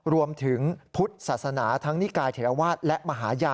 รวมถึงพุทธศาสนาทั้งนิกายเถรวาสและมหาญา